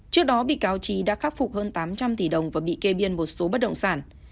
trước đó bị cáo trí đã khắc phục hơn tám trăm linh tỷ đồng và bị kê biên một số bất động sản